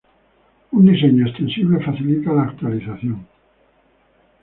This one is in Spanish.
Un diseño extensible facilita la actualización.